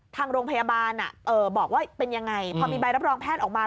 ทางโรงพยาบาลบอกว่าเป็นยังไงพอมีใบรับรองแพทย์ออกมา